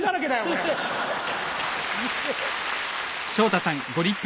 うるせぇ！